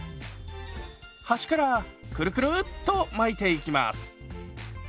端からクルクルッと巻いていきます。